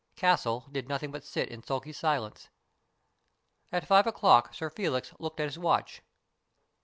Castle did nothing but sit in sulky silence. At five o'clock Sir Felix looked at his watch.